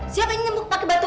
siapa yang nyembuk pakai batu